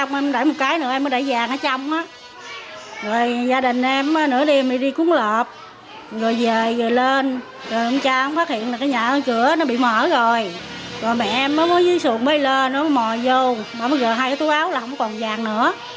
mẹ em mới dưới sụn bay lên nó mò vô bảo mấy giờ hai túi áo là không còn vàng nữa